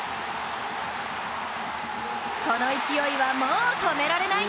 この勢いはもう止められない！